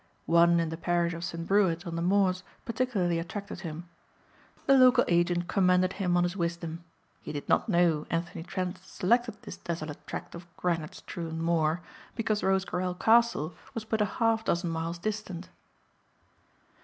One in the parish of St. Breward on the moors particularly attracted him. The local agent commended him on his wisdom. He did not know Anthony Trent had selected this desolate tract of granite strewn moor because Rosecarrel Castle was but a half dozen miles distant.